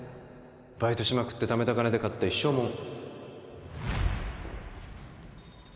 バイトしまくって貯めた金で買った一生もん